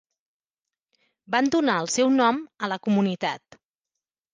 Van donar el seu nom a la comunitat.